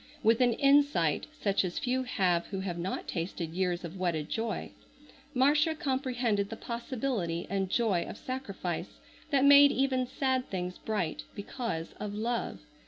With an insight such as few have who have not tasted years of wedded joy, Marcia comprehended the possibility and joy of sacrifice that made even sad things bright because of Love.